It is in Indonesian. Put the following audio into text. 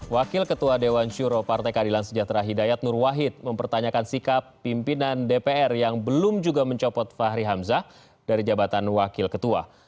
wakil ketua dewan syuro partai keadilan sejahtera hidayat nur wahid mempertanyakan sikap pimpinan dpr yang belum juga mencopot fahri hamzah dari jabatan wakil ketua